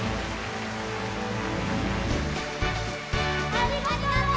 ありがとう！